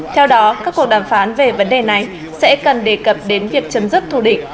theo đó các cuộc đàm phán về vấn đề này sẽ cần đề cập đến việc chấm dứt thù định